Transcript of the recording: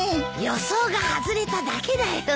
予想が外れただけだよ。